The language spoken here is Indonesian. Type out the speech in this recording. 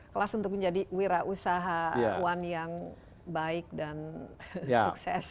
kelas untuk menjadi wirausaha yang baik dan sukses